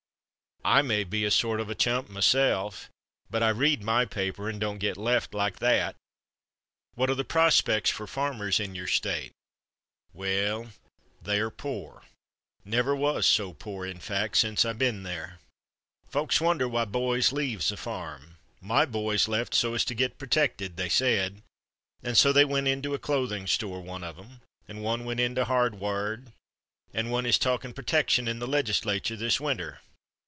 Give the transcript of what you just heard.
I may be a sort of a chump myself, but I read my paper and don't get left like that." "What are the prospects for farmers in your State?" "Well, they are pore. Never was so pore, in fact, sence I've ben there. Folks wonder why boys leaves the farm. My boys left so as to get protected, they said, and so they went into a clothing store, one of 'em, and one went into hardward and one is talking protection in the Legislature this winter.